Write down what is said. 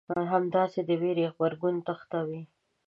همداسې د وېرې غبرګون تېښته وي.